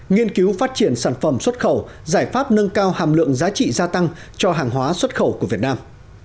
nghiên cứu phát triển sản phẩm xuất khẩu giải pháp nâng cao hàm lượng giá trị gia tăng cho hàng hóa xuất khẩu của việt nam